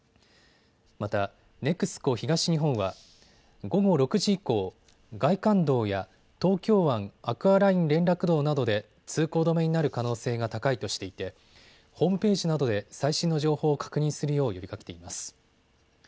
また、ＮＥＸＣＯ東日本は午後６時以降、外環道や東京湾アクアライン連絡道などで通行止めになる可能性が高いとしていてホームページなどで最新の情報を確認するよう呼びかけています。